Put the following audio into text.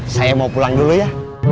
saya mau pulang dulu ya